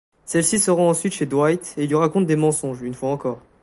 Celle-ci se rend ensuite chez Dwight et lui raconte des mensonges une fois encore.